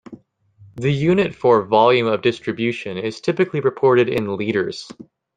The unit for Volume of Distribution is typically reported in liters.